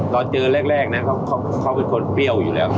ตอนเจอแรกนะเขาเป็นคนเปรี้ยวอยู่แล้ว